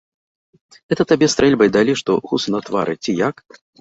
Гэта табе стрэльбай далі, што гуз на твары, ці як?